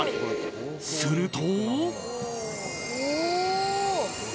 すると。